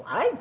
ibu tahu aja